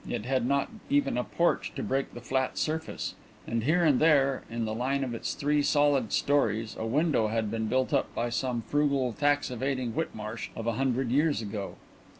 It had not even a porch to break the flat surface, and here and there in the line of its three solid storeys a window had been built up by some frugal, tax evading Whitmarsh of a hundred years ago.